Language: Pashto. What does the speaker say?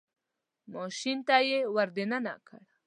ماشین ته یې ور دننه کړ.